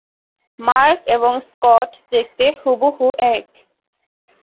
Mark এবং Scott দেখতে হুবহু এক।